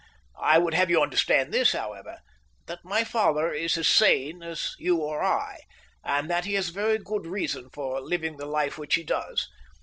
I would have you understand this, however that my father is as sane as you or I, and that he has very good reasons for living the life which he does.